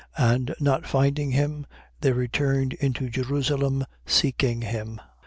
2:45. And not finding him, they returned into Jerusalem, seeking him. 2:46.